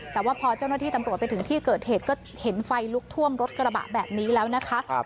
แต่ว่าพอเจ้าหน้าที่ตำรวจไปถึงที่เกิดเหตุก็เห็นไฟลุกท่วมรถกระบะแบบนี้แล้วนะคะ